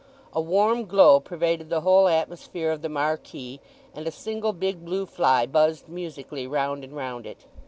A warm glow pervaded the whole atmosphere of the marquee, and a single big blue fly buzzed musically round and round it.